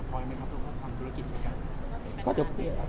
แล้วพี่น้องได้คุยกับพลอยไหมครับเรื่องความธุรกิจประกัน